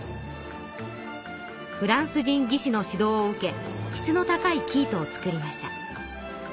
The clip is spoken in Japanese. フランス人技師の指導を受け質の高い生糸を作りました。